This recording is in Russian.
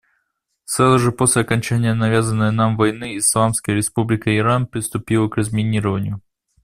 Сразу же после окончания навязанной нам войны Исламская Республика Иран приступила к разминированию.